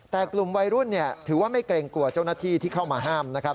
แต่กลุ่มวัยรุ่นถือว่าไม่เกรงกลัวเจ้าหน้าที่ที่เข้ามาห้ามนะครับ